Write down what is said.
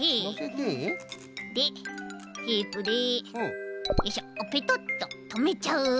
でテープでよいしょペトッととめちゃう。